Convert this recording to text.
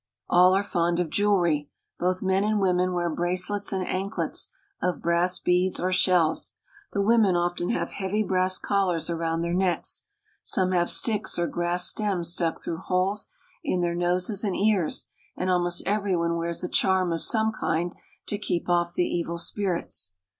All are fond of jewelry. Both men and women wear bracelets and anklets of brass beads or shells. The women often have heavy brass collars around their necks ; some have sticks or grass stems stuck through holes in their noses and ears, and almost every one wears a charm of some kind to keep off the evil spirits.